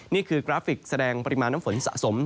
กราฟิกแสดงปริมาณน้ำฝนสะสม